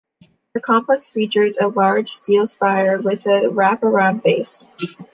The complex features a large steel spire with a wrap-around base.